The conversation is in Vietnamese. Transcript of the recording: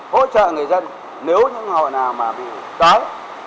hỗ trợ người dân nếu những hội nào mà bị tối